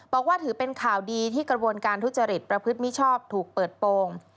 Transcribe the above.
บอกว่าถือเป็นข่าวดีที่กระบวนการทุจริตประพฤติมิชอบถูกเปิดโปรง